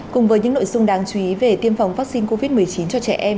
cùng với những nội dung đáng chú ý về tiêm phòng vaccine covid một mươi chín cho trẻ em